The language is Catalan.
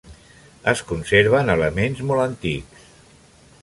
Es conserven elements molt antics.